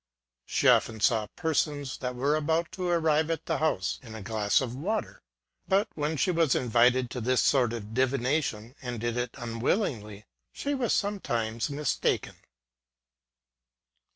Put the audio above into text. She often saw persons, that were about to arrive at the house, in a glass of water ; but when she was invited to this sort of divi nation, and did it unwillingly, she was sometimes mistaken.